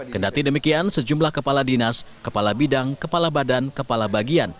kendati demikian sejumlah kepala dinas kepala bidang kepala badan kepala bagian